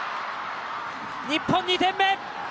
日本２点目！